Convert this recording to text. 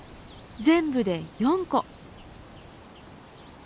全部で４個。